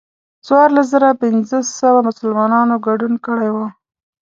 څوارلس زره پنځه سوه مسلمانانو ګډون کړی و.